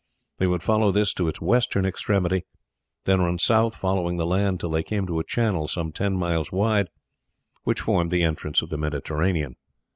They would follow this to its western extremity; and then run south, following the land till they came to a channel some ten miles wide, which formed the entrance to the Mediterranean.